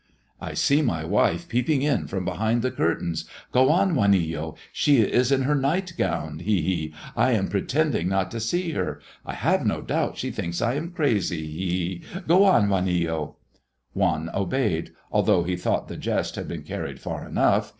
"I see my wife peeping in from behind the curtains. Go on, Juanillo. She is in her night gown, he, he! I am pretending not to see her. I have no doubt she thinks I am crazy, he, he! Go on, Juanillo." Juan obeyed, although he thought the jest had been carried far enough.